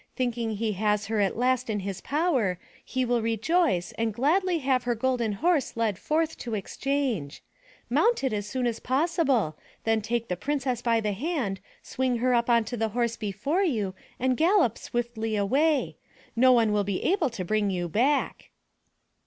Thinking he has her at last in his power, he will rejoice and gladly have her Golden Horse led forth to exchange. Mount it as soon as possible, then take the Princess by the hand, swing her up on to the horse before you and gallop swiftly away. No one will be able to bring you back."